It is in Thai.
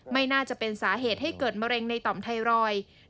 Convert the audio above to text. ไม่น่าจะเป็นสาเหตุให้เกิดมะเร็งในต่อมไทรอยด์